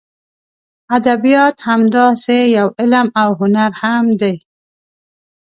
ادبیات همداسې یو علم او هنر هم دی.